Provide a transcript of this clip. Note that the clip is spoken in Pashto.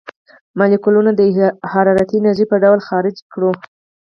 مالیکولونه د حرارتي انرژۍ په ډول خارج کړو.